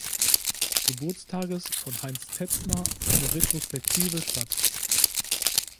Geburtstages von Heinz Tetzner eine Retrospektive statt.